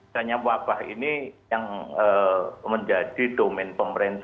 dan yang wabah ini yang menjadi domen pemerintah